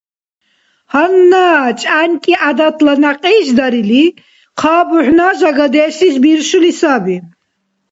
Гьанна чӏянкӏи, гӏядатла някьиш дарили, хъа бухӏна жагадешлис биршули саби.